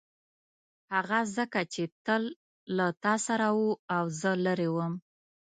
هغه ځکه چې تل له تا سره و او زه لیرې وم.